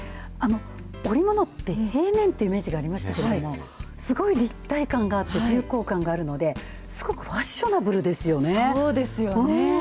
織物って、平面っていうイメージがありましたけれども、すごい立体感があって、重厚感があるので、そうですよね。